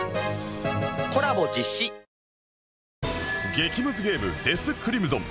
激ムズゲーム『デスクリムゾン』